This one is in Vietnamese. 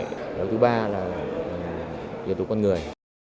cái thứ ba là yếu tố con người